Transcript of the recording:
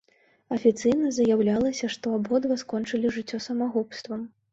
Афіцыйна заяўлялася, што абодва скончылі жыццё самагубствам.